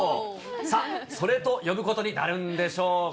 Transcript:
さあ、ソレと呼ぶことになるんでしょうか。